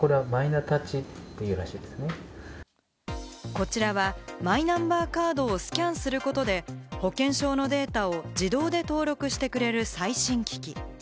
こちらはマイナンバーカードをスキャンすることで、保険証のデータを自動で登録してくれる最新機器。